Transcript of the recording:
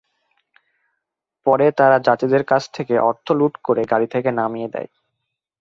পরে তারা যাত্রীদের কাছ থেকে অর্থ লুট করে গাড়ি থেকে নামিয়ে দেয়।